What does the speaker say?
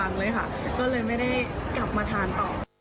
ก็เลยไม่ได้กลับมาทานต่อ